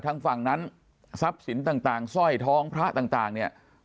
ทางฝั่งนั้นทรัพย์สินต่างสร้อยท้องพระต่างเนี่ย